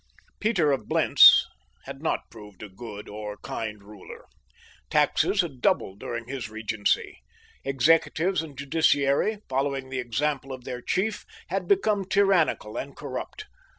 Peter of Blentz had not proved a good or kind ruler. Taxes had doubled during his regency. Executives and judiciary, following the example of their chief, had become tyrannical and corrupt.